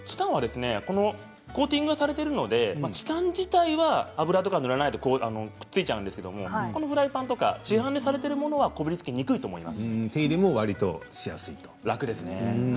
コーティングがされているのでチタン自体は油を塗らないとくっついちゃうんですがフライパンとか市販されているのはこびりつきにくいと思います